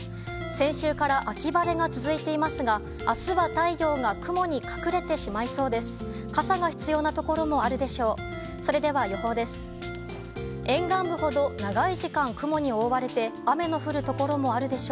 先週から秋晴れが続いていますが、あすは太陽が雲に隠れてしまいそうです。